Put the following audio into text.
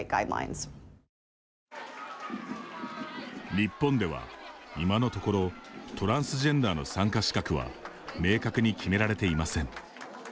日本では、今のところトランスジェンダーの参加資格は明確に決められていません。